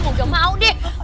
mau nggak mau deh